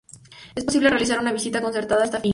Es posible realizar una visita concertada a esta finca.